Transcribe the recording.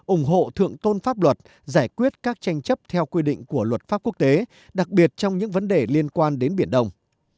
ủng hộ thượng tôn pháp luật giải quyết các tranh chấp theo quy định của luật pháp quốc tế đặc biệt trong những vấn đề liên quan đến biển đông